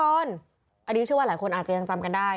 อันนี้เชื่อว่าหลายคนอาจจะยังจำกันได้